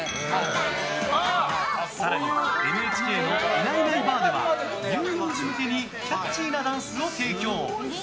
更に、ＮＨＫの「いないいないばあっ！」では乳幼児向けにキャッチーなダンスを提供！